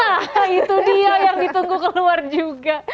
nah itu dia yang ditunggu keluar juga